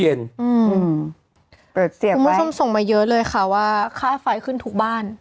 อืมเปิดเสียงไปคุณผู้ชมส่งมาเยอะเลยค่ะว่าค่าไฟขึ้นทุกบ้าน